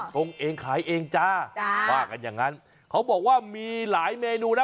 งเองขายเองจ้าจ้าว่ากันอย่างนั้นเขาบอกว่ามีหลายเมนูนะ